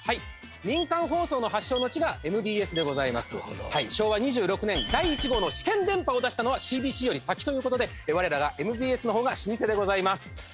民間放送の発祥の地がＭＢＳでございます昭和２６年第１号の試験電波を出したのはＣＢＣより先ということで我らがＭＢＳの方が老舗でございます